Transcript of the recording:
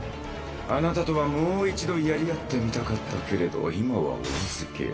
あなたとはもう一度殺り合ってみたかったけれど今はお預け。